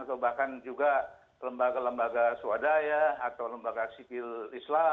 atau bahkan juga lembaga lembaga swadaya atau lembaga sivil islam seperti nu muhammadiyah ikhlas dan lain lain